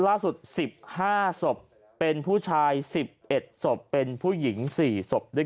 ล่าสุด๑๕สบเป็นผู้ชาย๑๑สบเป็นผู้หญิง๔สบด้วย